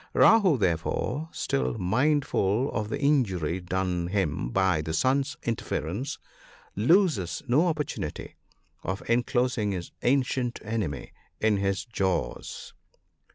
Rahoo, therefore, still mindful of the injury done him by the sun's interference, loses no opportunity of enclosing his ancient enemy in his jaws.